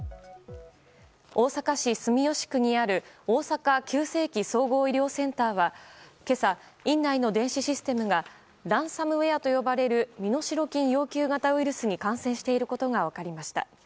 大阪市住吉区にある大阪急性期・総合医療センターは今朝、院内の電子システムがランサムウェアと呼ばれる身代金要求型ウイルスに感染していることが分かりました。